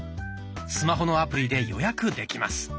スマホのアプリで予約できます。